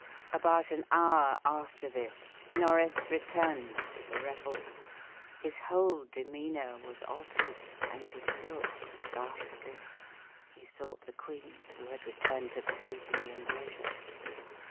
About an hour after this Norris returned to the revel. His whole demeanour was altered, and his looks ghastly. He sought the queen, who had returned to the seat in the embrasure.